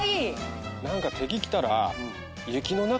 何か敵来たら。